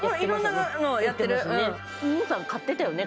ムーさん買ってたよね